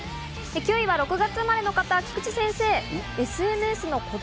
９位は６月生まれの方、菊地先生。